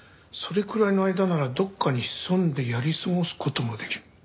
それくらいの間ならどこかに潜んでやり過ごす事もできる。